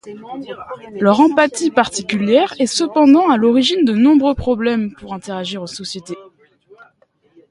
Leur empathie particulière est cependant à l'origine de nombreux problèmes pour interagir en société.